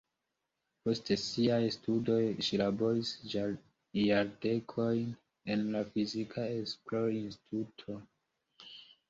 Post siaj studoj ŝi laboris jardekojn en la fizika esplorinstituto.